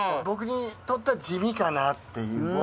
僕にとっては地味かなっていう。